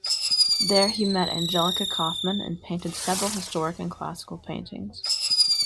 There he met Angelica Kauffman, and painted several historic and classical paintings.